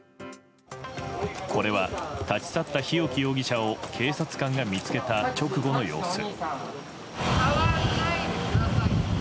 これは、立ち去った日置容疑者を警察官が見つけた直後の様子。